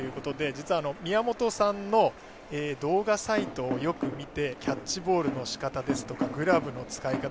実は、宮本さんの動画サイトをよく見てキャッチボールのしかたですとかグラブの使い方